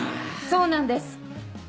そうなんです。